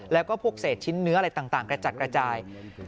แล้วก็พวกเศษชิ้นเนื้ออะไรต่างกระจัดกระจาย